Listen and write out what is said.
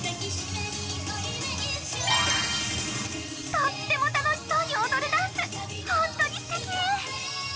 とっても楽しそうに踊るダンスホントにすてき。